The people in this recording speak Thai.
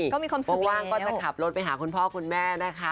ก็มีความสุขว่างก็จะขับรถไปหาคุณพ่อคุณแม่นะคะ